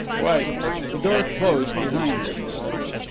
"Quite." The door closed behind them.